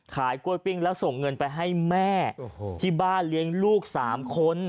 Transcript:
กล้วยปิ้งแล้วส่งเงินไปให้แม่ที่บ้านเลี้ยงลูก๓คน